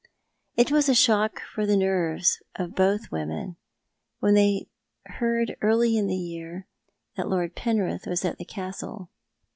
It was a shock for the nerves of both women when they heard early in the year that Lord Penrith was at the Castle.